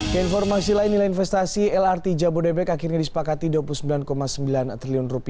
keinformasi lain nilai investasi lrt jabodebek akhirnya disepakati rp dua puluh sembilan sembilan triliun